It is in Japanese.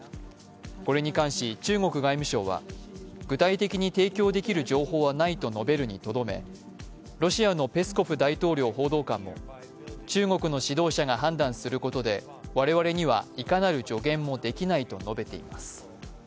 これに関し中国外務省は具体的に提供できる情報はないと述べるにとどめ、ロシアのペスコフ大統領報道官も中国の指導者が判断することで我々にはいかなる助言もできないと述べています。